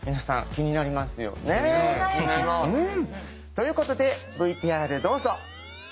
気になります！ということでＶＴＲどうぞ。